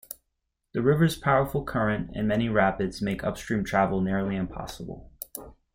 The river's powerful current and many rapids make upstream travel nearly impossible.